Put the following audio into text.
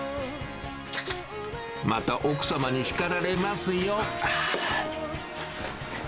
また奥様に叱られますよ。